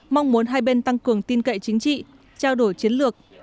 mong muốn hai bên tăng cường tin cậy chính trị trao đổi chiến lược